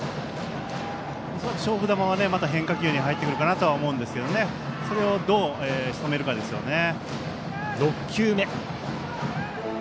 勝負球が、また変化球に入ってくるかと思いますがそれを、どうしとめるかですね。